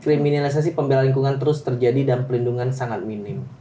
kriminalisasi pembelaan lingkungan terus terjadi dan pelindungan sangat minim